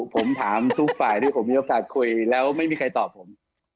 ผมถามทุกฝ่ายที่ผมมีโอกาสคุยแล้วไม่มีใครตอบผม